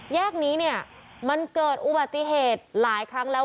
แยกนี้เนี่ยมันเกิดอุบัติเหตุหลายครั้งแล้ว